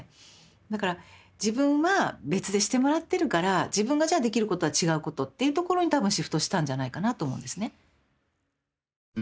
だから自分は別でしてもらってるから自分がじゃあできることは違うことっていうところに多分シフトしたんじゃないかなと思うんですね。